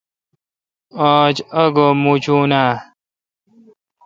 آج آگہ مُچہ آ؟